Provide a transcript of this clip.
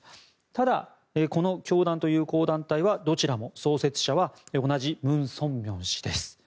ただ、この教団と友好団体はどちらも創設者は同じムン・ソンミョン氏です。